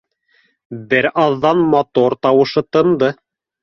Бер аҙҙан мотор тауышы тынды